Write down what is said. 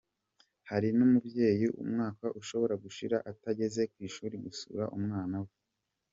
Hari n’umubyeyi umwaka ushobora gushira atageze ku ishuri gusura umwana we.